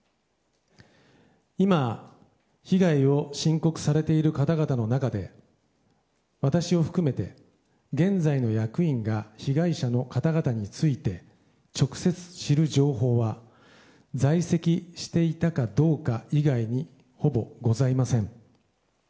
今、被害を申告されている方々の中で私を含めて現在の役員が被害者の方々について直接、知る情報は在籍していたかどうか以外にほぼございません。